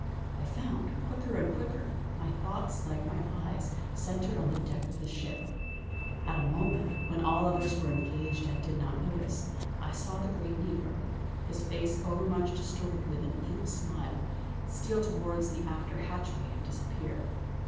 I found, quicker and quicker, my thoughts like my eyes, centred on the deck of the ship. At a moment, when all others were engaged and did not notice him, I saw the great negro, his face over much distorted with an evil smile, steal towards the after hatchway and disappear.